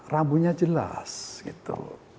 rambutnya jelas gitu